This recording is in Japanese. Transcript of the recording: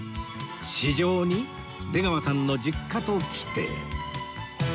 市場に出川さんの実家ときて